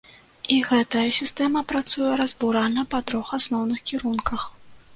І гэтая сістэма працуе разбуральна па трох асноўных кірунках.